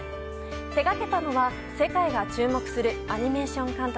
手がけたのは世界が注目するアニメーション監督